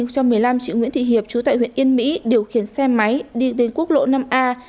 một mươi năm triệu nguyễn thị hiệp chú tại huyện yên mỹ điều khiển xe máy đi đến quốc lộ năm a